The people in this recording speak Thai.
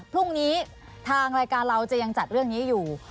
พรุ่งนี้ทางรายการเราจะยังจัดเรื่องนี้อยู่